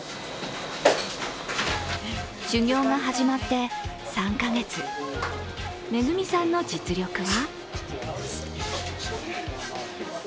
修業が始まって３か月、恵さんの実力は？